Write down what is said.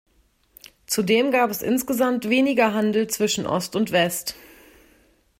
Zudem gab es insgesamt weniger Handel zwischen Ost und West.